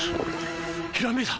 ひらめいた！